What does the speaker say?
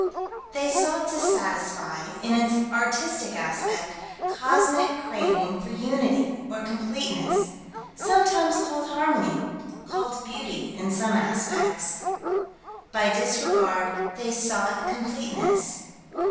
They sought to satisfy, in its artistic aspect, cosmic craving for unity or completeness, sometimes called harmony, called beauty in some aspects. By disregard they sought completeness.